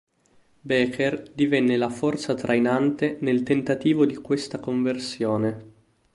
Becher divenne la forza trainante nel tentativo di questa conversione.